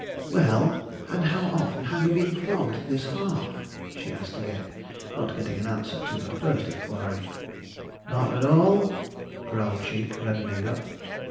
'Well, and how often have you been flogged this half?' asked she again, not getting an answer to her first inquiry. 'Not at all,' growled Cheek, reddening up.